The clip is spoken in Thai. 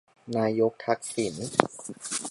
นายกทักษิณ